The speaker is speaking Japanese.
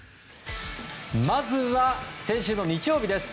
まずは先週日曜日です。